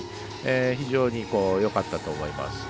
非常によかったと思います。